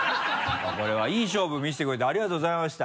これはいい勝負見せてくれてありがとうございました。